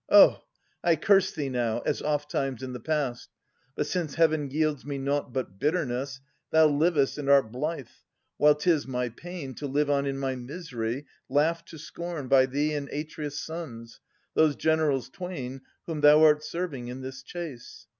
Oh! I curse thee now, as ofttimes in the past : But since Heaven yields me nought but bitterness. Thou livest and art blithe, while 'tis my pain To live on in my misery, laughed to scorn By thee and Atreus' sons, those generals twain Whom thou art serving in this chase.